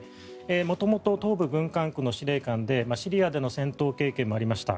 元々東部軍管区の司令官でシリアでの戦闘経験もありました。